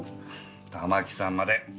たまきさんまで。